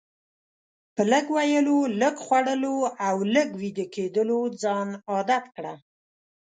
په لږ ویلو، لږ خوړلو او لږ ویده کیدلو ځان عادت کړه.